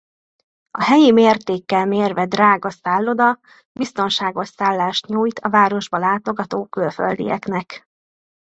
A helyi mértékkel mérve drága szálloda biztonságos szállást nyújt a városba látogató külföldieknek.